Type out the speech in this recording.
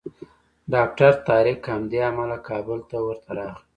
ډاکټر طارق همدې امله کابل ته ورته راغی.